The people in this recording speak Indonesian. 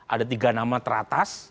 ada tiga nama teratas